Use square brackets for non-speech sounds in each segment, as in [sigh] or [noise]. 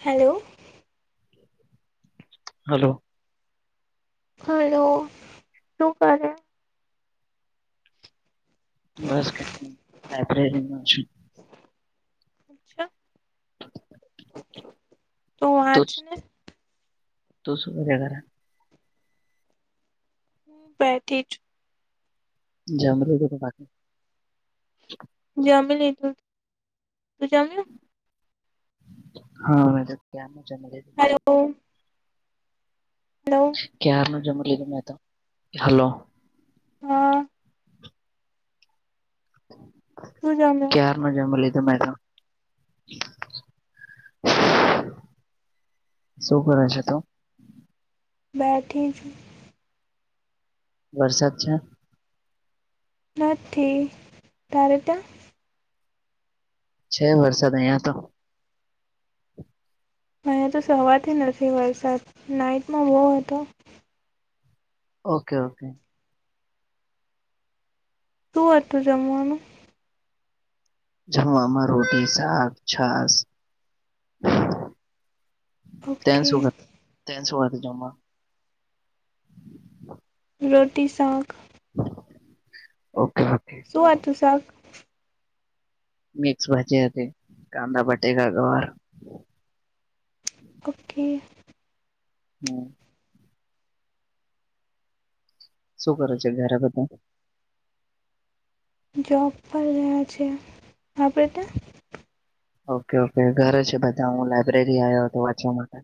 Hello. Hello. Hello. શું કરે? બસ કઈ, લાયબ્રેરીમાં છું. અચ્છા તો વાંચ જ. ને તું શું કરે? હું બેઠી જ. જમી લીધુ કે બા જમી લીધુ. તું જમયો? હા, મે તો કયાર નું જમી લી હેલો. હેલો ક્યારનું જમી લીધુ મે તો. હલો. હ [inaudible] શું જમ્યા? ક્યાર નું જમી લીધું મે તો. શું કરે છે તુ? બેઠી છું. વરસાદ છે? નથી. તારે ત્યાં? છે, વરસાદ અઈયાં તો. અઈયા તો સવારથી નથી વરસાદ, નાઈટમાં બો હતો. Okay okay. શુ હતુ જમવાનુ? જમવામાં રોટી, શાક, છાસ. તે ઓકે સું ખા તે સું ખાધુ જમવાનું? રોટી, સાક. ઓકે. ઓકે શું વા ત સા. મિક્સ ભાજી હતી કાંદા બટેકાા ગવાર ઓકે હમ. શું કરો છે ઘરે બધા. જોબ પર ગયા છે આપણેે ત્યાં. ઓકે ઓકે ઘરે છે બધા હું લાયબ્રેરી આવ્યો હતો વાંચવા માટે.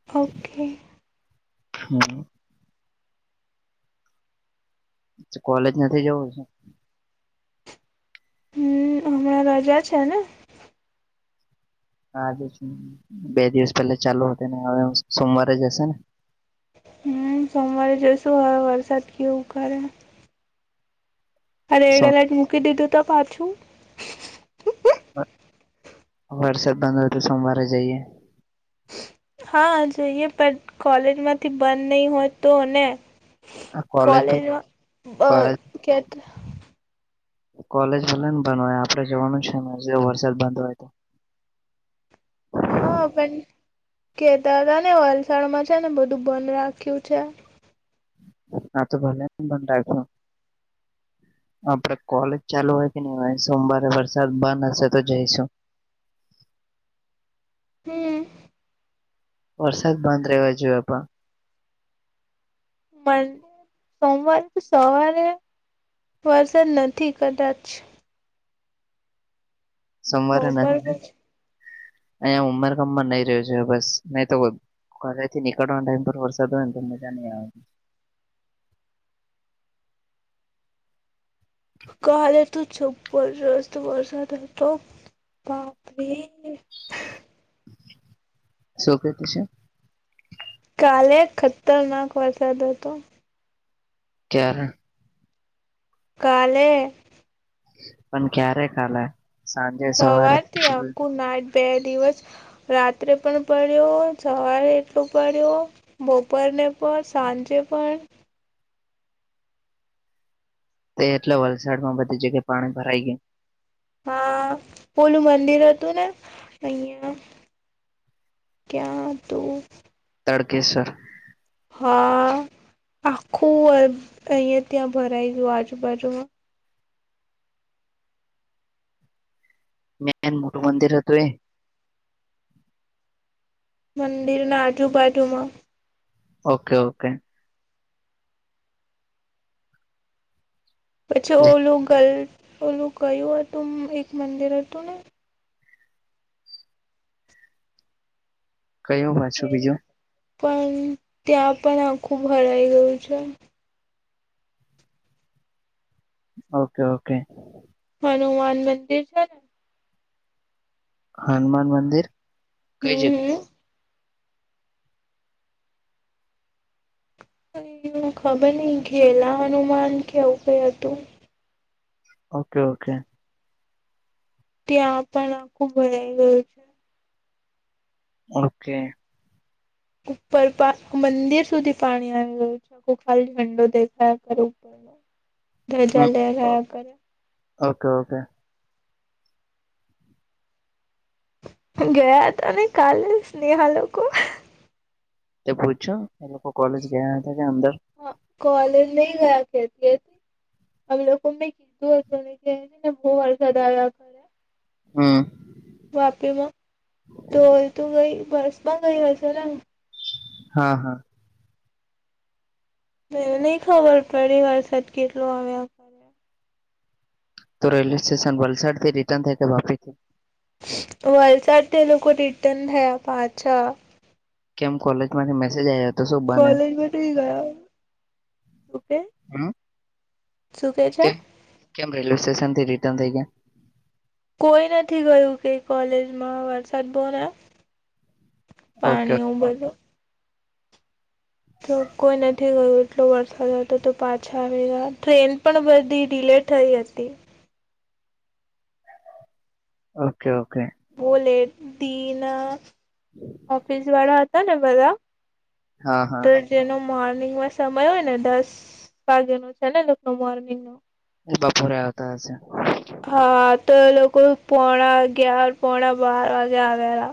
ઓફ. હમ. કોલેજ નથી જવું. હમ હણા રાજા છે ને. જે બે દિવસ પહેલા ચાલુ હત ને હવે સોમવારે જ હશે ને. હમ સોમવારે જઈશું હવે વરસાદ કેવું કરે. રેડ સોમ એલર્ટ મૂકી દીધું તો પાછું. વરસાદ બંધ હો તો સોમવારે જઈએ. હા જોઈએ પણ કોલેજમાંથી બંધ નહી હોય તો ને. આ કોલેજ પણ કોલેજમાં કોલેજ કે. કોલેજ ભલે ને બંધ હોય આપડે જવાનું છે ને હજ વરસાદ બંધ હોય તો. હા પણ કેતા હતા ને વલસાડમાં છે ને બધું બંધ રાખ્યું છે. ના તો ભલે બ રા. આપડે કોલેજ ચાલુ હોય કે નહી હોય સોમવારે વરસાદ બંધ હશે તો જઈશું. હમ. વરસાદ બંધ રહેવા જોએ પણ. મ સોમવારે તો સવારે. વઝન નથી કદાચ. સોમવારે બપોર નથી અહીંયા ઉમર કામમાં નહી રહ્યો છે બસ નહી તો. ઘરે થી નીકળવાના ટાઈમ પર વરસાદ હોય ને તો મજા ન આવે. કાલે તો જબરજસ્ત વરસાદ હતો બાપરી. શું કતું છે. કાલે ખતરનાક વરસાદ હતો. કે્યારેળ. કાલે. પણ ક્યારે ખાલે. સાંજે સવારે સવારથી આંકું નાઠ બે દિવસ. રાત્રે પણ પડ્યો સવારે એટલોું પડ્યો. બપોરને પણ સાંજે પણ. તે એટલે વલસાડ માં બધી જગ્યાએ પાણી ભરાઈ ગયું. હા પોલું મંદિર હતું ને અહિયાં. ક્યાં તો. તડકેસર. હા આખું અહં ત્યાં ભરાઈ ગયું આજુબાજુમાં. મેન મોટું મંદિર હતું એ. મંદિરના આઠુબાઠુમાં. Okay okay. પછી ઓલું ગ ઓલું ગયું હતું એક મંદિર હતું ને કયું એ વાછું બીજુ પણ ત્યાં પણ આખુંબ હરાઈ ગયું છે. ઓકે -ઓકે હનુમાન મંદિર છેને. હનુમાન મંદિર કઈ જગ્યા હમ એ ખબર નહ ઘેલા હનુમાન કેવું કઈ હતુ. ઓકે ઓકે ત્યાં પણ આખું ભરાઈ ગયું છે. ઓકે ઉપર પા મંદિર સુધી પાણી આવી રહ્યું છે. આખો ખાલલી ઝંડો દેખાય કર ઉપર ધજા હમ લે રહયા કર્યા ઓકે ઓકે ગયા હતા અને કાલ સ્નેહ લોકોકો તે પૂછ્યું એ લોકો કોલેજ ગયા હતા, કે અંદર હા, કોલેજ ન ગયા કેતી અમે લોકો મેં કીધું હતું જે ને ને બહુ વરસાદ આવ્યા હમ વાપી માં ધોલ તું ગઈ બસ માં ગઈ હશે ને હા હા ને નહી ખબર પરિ વરસાદ કેટલો આવ્યા કરે તો રેલવે સ્ટેશન વલસાડ થી રિટર્ન થાય કે વાપરી થી. વલસાડ તેટે લોકો રિટર્ન થયા પાછા કેમ કોલેજ માટે મેસેજ આવ્યા હતા. કોલેજમાં તો ગયા હ સુપ કેમ કેમ રેલવે સ્ટેશન થી રિટર્ન થઇ ગયા. કોઈ નથી ગયું કે કોલેજમાં વરસાદ બો ગયા ઓકે પાણી હું બધુ જો કોઈ નથી ગયું એટલો વરસાદ હતો, તો પાછા આવી ગયા ટ્રેન પણ બધી ડિલેટ થઈ હતી. ઓકે ઓકે બોલે દિન ઓફિસ વાળા હતા ને બધા. હા હા તો જેનો મોર્નિંગમાં સમય હોય ને દસ વાગેનોો છે. નેકનો મોર્નિંગ નો એ બપોરે આવતા હશે હા, તો એ લોકો પોણા અગિયાર પોણા બાર વાગે આવેલા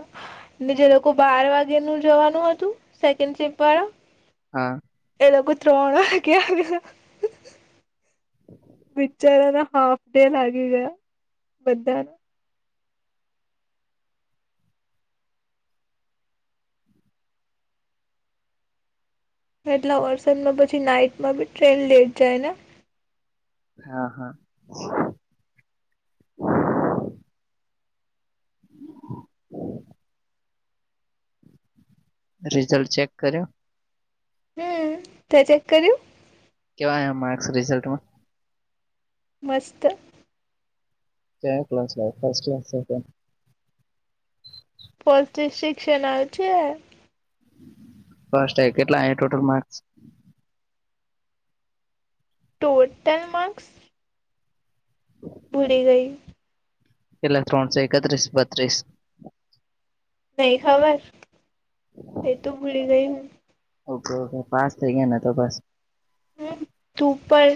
ની જેે લોકો બાર વાગે નું જવાનું હતું સેકન્ડ સિપ વાળા હા એ લોકો કુતરોણ ક્યા બિચારાના હાફ, ડે લાગી ગયા બધાના એટલા વર્ષદમાં પછી નાઈટમાં બી ટ્રેન લેટ જાય ને હા હા હમ [unintelligible] રિઝલ્ટ ચેક કર્યો હમ તો ચેક કર્યું કેવા માર્ક્સ રિઝલ્ટમાં મસ્ત જેં કલા છે, ફ ફ સિકશન આવ છે. ફર્સ્ટ કેટલા ટોટલ માર્સ ટોટલ માર્ક્સ હ ભુડી ગઈ એલા ત્રોણસો એકત્ર્રીસ બત્રીસ નહી ખબર એ તોું ભૂલી ગઈ, હુ ઓકે ઓકે પાસ થઇ ગયા, ને તો બસ હમ, ધૂપર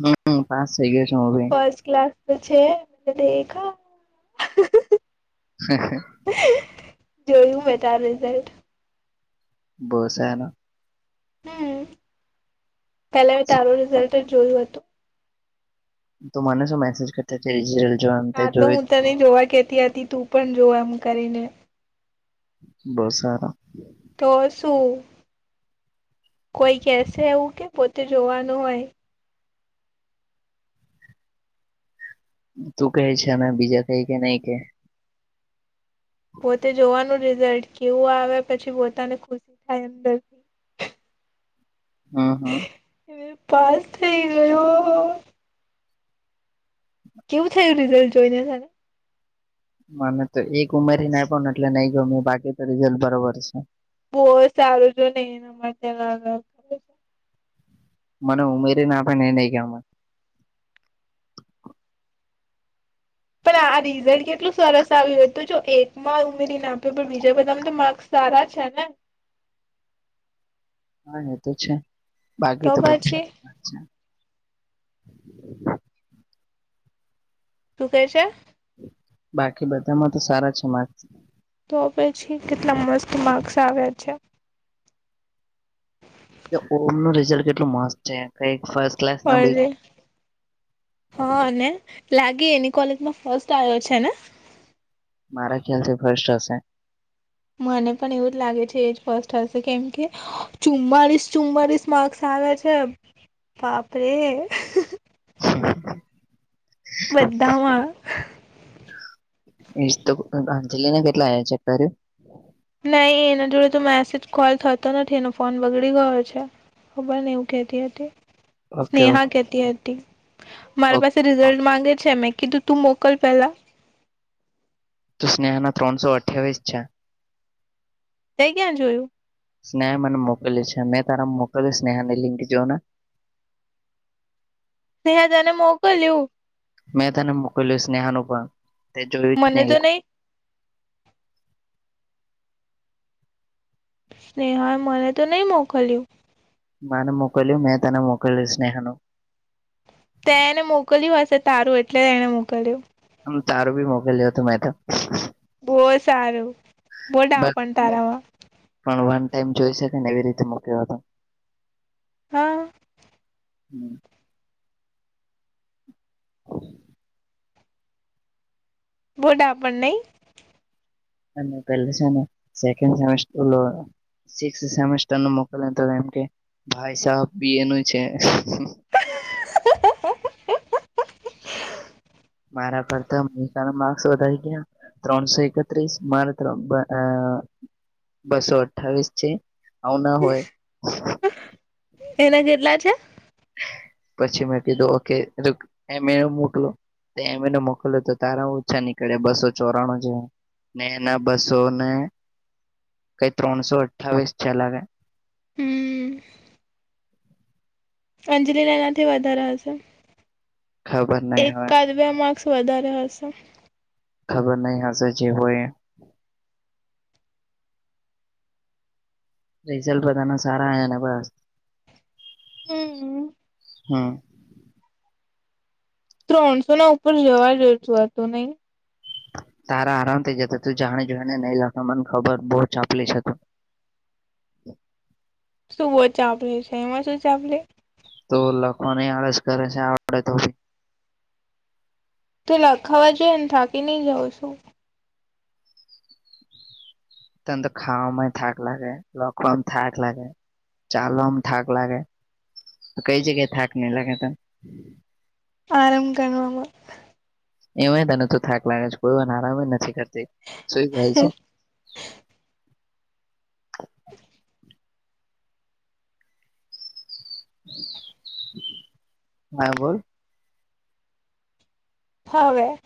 હમ પાસ થઈ ગયા છે, ભ ફસ્ટ ક્લાસ તો છે. દેખા હ હ જોયું મે તાર રિઝલ્ટ બહસ એનો હમ પેલા મેં તારું રિઝલ્ટ જ જોયું હતુ. તું મને શું મેસેજ કરતાલજો હા તો જોઈ હું તને જોવા કેતી હતી તું પણ જો એમ કરીને બસા તો શું કોઈ કેસે એવું કે પોતે જોવાનું હોય. તું કહે છે. અ બીજા કઈ કે નહી કે પોતે જોવાનું રિઝલ્ટ કેવું આવે પછી પોતાને ખુશી થાય અંદર હા હા હવે પાસ થઈ ગયો હા કેવું થયું રિઝલ્ટ જોઈ ને તને મને તો એક ઉમેર ના પણ એટલે નહી ગયો બાકી તો રિઝલ્ટ બરોબર છે. બ સારું જો નહી લ મને ઉમેરી નાટ નને નઈમાં પણ આ રિઝલ્ટ કેટલું સરસ આવ્યુંય તો જો એકમાં ઉમેરીને આપ્યો પણ બીજા બધામાં તો માર્ક્સ સારા છેને હા એ તો છે. બાકી તો બધું હા તું કહે છે. બાકી બધામાં તો સારા છે, મા તો પછી કેટલા મસ્ત માર્ક્સ આવ્યા છે. ઓમ નું રિઝલ્ટ કેટલું મસ્ત છે, કઈક ફ પણ હા ને લાગી એની કોલેજમાં ફસ્ટ આવ્યો છેને મારા ખ્યાલ થી ફસ્ટ હશે મને પણ એવું જ લાગે છે એ જ ફસ્ટ હશે કેમ કે ચુમ્માળીસ ચુમ્માળીસ માર્ક્સ આવ્યા છે. છે, બાપરેે વધધામાં એ અંજલીિને કેટલાારે નહી એના જોડે તો મેસેજ કોલ થતો નથી એનો ફોન બગડી ગયો છે. ખબર ને એવું કેતી હતી ઓકે સ્નેહા કેતી મારા ઓકે પાસે રિઝલ્ટ માંગે છે. મે કું તું મોકલ પેલા ત સ્નેહા ના ત્રણસો અઠ્યાવીસ છે. ત ક્યાં જોયું સ્નેહ મને મોકલે છે. અનેં તારા મોકલી સ્નેહ ને લિંંગ જોઓ ને સહ જને મોકોલું મેં તને મોકલું સ્નેહાનુંું પણ તે જોયું જ મને તો નહી સ્નેહ મને તો નહી મો ખલી્યું માને મોકલિયુ મેં તને મોકલિયુ સ્નેહા નું તે એને મોકલ્યું હશે તારું એટલે તેને મોકલ્યુ આમ તારું બી મોકલ્યો હતું મેતો બહ સારું બહુ ડાપણ તારામાં પણ વન ટાઈમ જોઈ શકે ને એવી રીતે મૂક્યો હતો હા હમ બહુ ડાપણ નહી અને પહેલે છેને. સેકન્ડ સેમેસ્ટર સિક્સ સેમેસ્ટર નું મોકલેને ત એમ કે ભાઈ સાબ બી એ નું છે. હા હા હા મારા કરતા તારા માર્ક્સ વધારી ગયા. ત્રણસો એકત્રીસ મારે અ અ બસો અઠ્ઠાવીસ છે. આવું ના હોય. એના કેટલા છે. પછી મેં કીધું ઓકે એમે મોકલો એમને મોકલો તો તારા ઓછા નીકળ્યા બસો ચોરાણું જેવા ને એના બસો ને કઈ ત્રણસો અઠાવીસ છેલાાગ હમ અંજલિ ના એનાથી વધારા હશે ખબર નહી હવે એકાદ બે માર્ક્સ વધારે હશે ખબર નહી હશે, જે હોય રિઝલ્ટ બધાના સારા આવ ને બસ હમ હા ત્રણસો ના ઉપર જવા ડેસું હતું નહી. તારા આરામ થઇ જતા તું જાણે જોઈને નહી લતા મને ખબર બહુ ચાપલી છે, તુ શું બહુ ચાપલી છે, એમાં શું ચાપલી તો લખવાની આળસ કરે છે. આવડે તો ભી તો લ ખાવા જોઈ ને થાકી નઈ જવ છુ. તન તો ખાવાવામાં થાક લાગે લખવામાં થાક લાગે ચાલવા માં થાક લાગે કઈ જગ્યાએ થાક નહી, લાગે તો આરામ કરણમાં એમાંય તને તો થાક લાગે છે કોઈ વાન આરામ નથી કરતી સુઈ ગઈ છે. હા, બોલ હવે